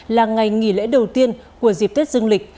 là ngày nghỉ lễ đầu tiên của dịp tết dương lịch